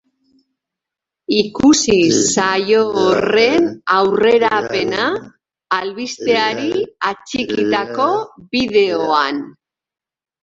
Ikusi saio horren aurrerapena albisteari atxikitako bideoan.